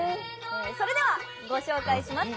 それではご紹介します。